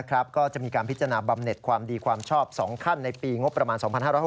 ก็จะมีการพิจารณาบำเน็ตความดีความชอบ๒ขั้นในปีงบประมาณ๒๕๖๖